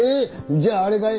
じゃああれかい？